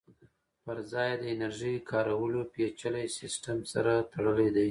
پرځای یې د انرژۍ کارولو پېچلي سیسټم سره تړلی دی